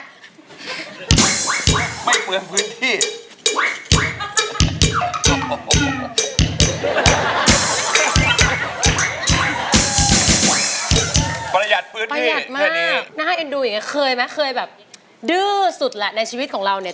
น่าให้เอ็นดูอย่างนี้เคยมั้ยเคยแบบดื้อสุดละในชีวิตของเรานี้